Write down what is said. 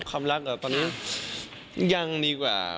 ความรักเหรอตอนนี้ยังดีกว่า